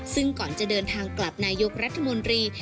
ซึ่งก่อนจะเดินทางกลับนายกรัฐมนตรี